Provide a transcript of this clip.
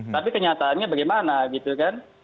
tapi kenyataannya bagaimana gitu kan